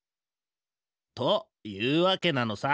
というわけなのさ。